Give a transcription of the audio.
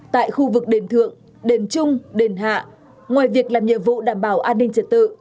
tại khu vực đền thượng đền trung đền hạ ngoài việc làm nhiệm vụ đảm bảo an ninh trật tự